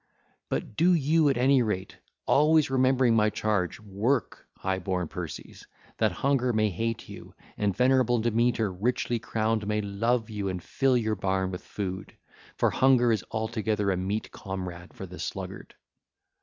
But do you at any rate, always remembering my charge, work, high born Perses, that Hunger may hate you, and venerable Demeter richly crowned may love you and fill your barn with food; for Hunger is altogether a meet comrade for the sluggard.